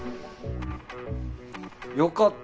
よかった！